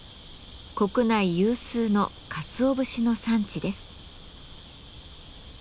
国内有数のかつお節の産地です。